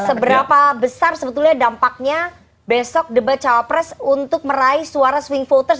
seberapa besar sebetulnya dampaknya besok debat cawapres untuk meraih suara swing voters